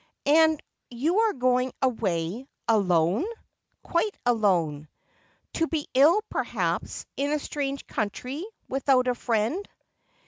' And you are going away— alone 1 '' Quite alone.' ' To be ill, perhaps ; in a strange country ; without a friend.'